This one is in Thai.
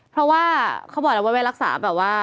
เพราะว่าเขาบอกแล้วว่าไปรักษาแบบว่า